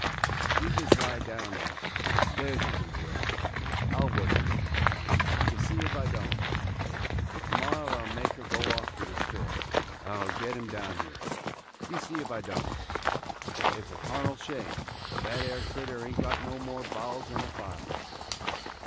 "You jest lie down now, there 's a good girl, and I 'll work it, – ye see if I don't. To morrow I 'll make her go off to the store, and I 'll get him down here, you see if I don't. It 's a tarnal shame; that 'ere critter ain't got no more bowels than a file."